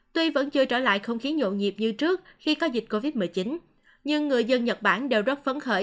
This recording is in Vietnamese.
tuy vẫn chưa trở lại không khí nhộn nhịp như trước khi có dịch covid một mươi chín nhưng người dân nhật bản đều rất phấn khởi